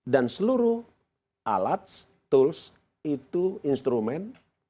dan seluruh alat tools itu instrumen